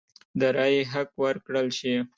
د رایې حق ورکړل شي.